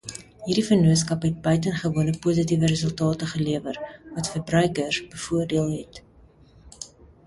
Hierdie vennootskap het buitengewone positiewe resultate gelewer, wat verbruikers bevoordeel het.